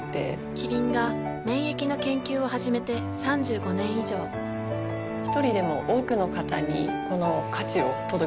キリンが免疫の研究を始めて３５年以上一人でも多くの方にこの価値を届けていきたいと思っています。